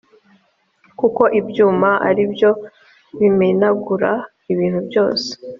kuko ibyuma ari byo bimenagura ibintu byose